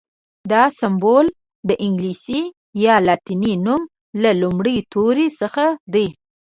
دا سمبول د انګلیسي یا لاتیني نوم له لومړي توري څخه دی.